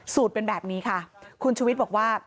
เป็นแบบนี้ค่ะคุณชุวิตบอกว่า